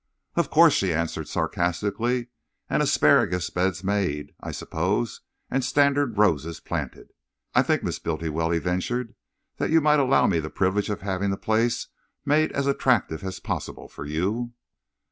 "Of course," she answered sarcastically, "and asparagus beds made, I suppose, and standard roses planted!" "I think, Miss Bultiwell," he ventured, "that you might allow me the privilege of having the place made as attractive as possible for you."